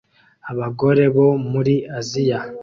Abagore bo muri Aziya